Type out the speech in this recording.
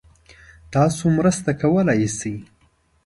تاسو مرسته کولای شئ؟